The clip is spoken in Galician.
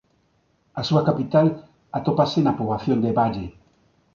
A súa capital atópase na poboación de Balle.